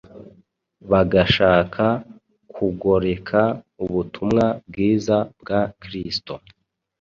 bagashaka kugoreka ubutumwa bwiza bwa Kristo